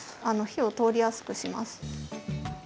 火を通りやすくします。